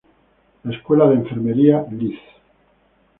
La Escuela de Enfermería "Lic.